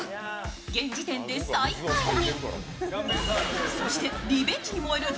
現時点で最下位に。